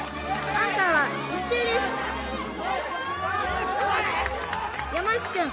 アンカーは１周です山内くん